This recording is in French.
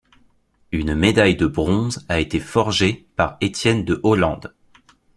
Une médaille de bronze a été forgée par Étienne de Hollande.